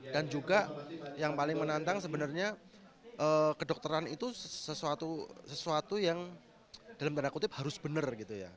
dan juga yang paling menantang sebenarnya kedokteran itu sesuatu yang dalam tanda kutip harus benar